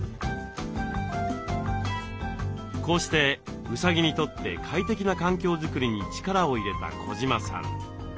こうしてうさぎにとって快適な環境づくりに力を入れた児島さん。